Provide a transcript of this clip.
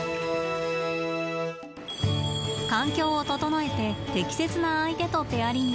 環境を整えて適切な相手とペアリング。